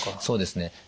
そうですね。